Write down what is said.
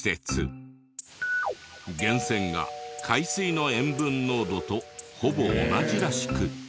源泉が海水の塩分濃度とほぼ同じらしく。